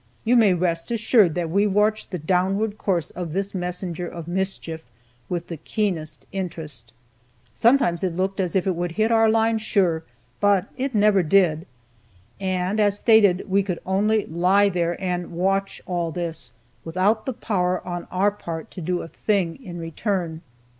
You may rest assured that we watched the downward course of this messenger of mischief with the keenest interest. Sometimes it looked as if it would hit our line, sure, but it never did. And, as stated, we could only lie there and watch all this, without the power on our part to do a thing in return.